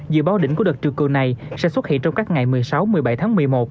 dự báo đỉnh của đợt triều cường này sẽ xuất hiện trong các ngày một mươi sáu một mươi bảy tháng một mươi một